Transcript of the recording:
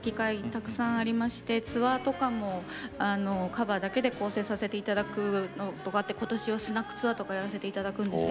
たくさんありましてツアーとかもカバーだけで構成させて頂く今年はスナックツアーとかやらせて頂くんですけど。